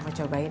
mak mau cobain